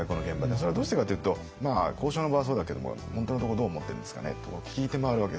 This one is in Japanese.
それはどうしてかというと交渉の場はそうだけども本当のところどう思ってるんですかねと聞いて回るわけですよ